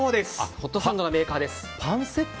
ホットサンドメーカーです。